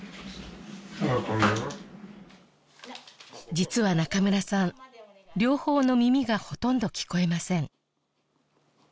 実は中村さん両方の耳がほとんど聞こえません